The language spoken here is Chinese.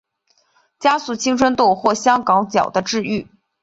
加速青春痘或香港脚的治愈。